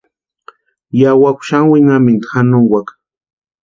Yawakwa xani winhamintu janonkwaka.